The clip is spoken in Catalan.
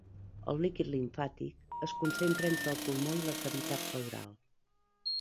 El líquid limfàtic es concentra entre el pulmó i la cavitat pleural.